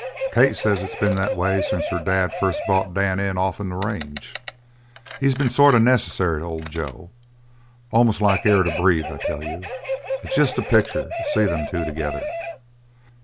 Kate says it's been that way since her dad first brought Dan in off'n the range. He's been sort of necessary to old Joe almost like air to breathe. I tell you, it's jest a picture to see them two together."